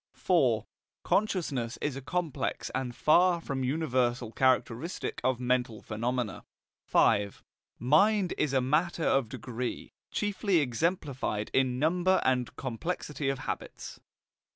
IV. Consciousness is a complex and far from universal characteristic of mental phenomena. V. Mind is a matter of degree, chiefly exemplified in number and complexity of habits.